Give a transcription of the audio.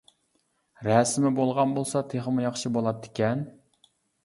رەسىمى بولغان بولسا تېخىمۇ ياخشى بولاتتىكەن.